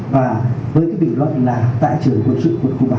và với cái bình luận là tải trưởng quân sự quân khu bảy